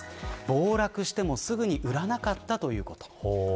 暴落してもすぐに売らなかったということ。